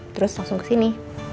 terus langsung kesini